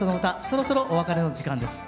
そろそろお別れの時間です。